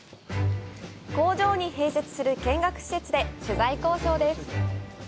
工場に併設する見学施設で取材交渉です。